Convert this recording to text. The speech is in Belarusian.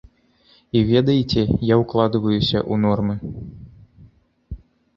І ведаеце, я ўкладваюся ў нормы.